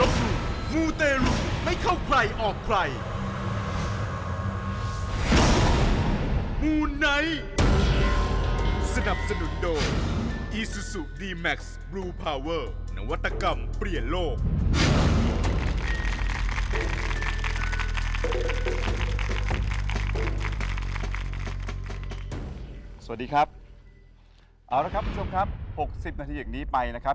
สวัสดีครับเอาละครับคุณผู้ชมครับ๖๐นาทีอย่างนี้ไปนะครับ